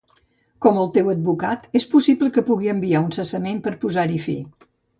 Com el teu advocat, és possible que pugui enviar un cessament per posar-hi fi.